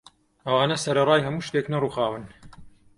ئەوانە سەرەڕای هەموو شتێک نەڕووخاون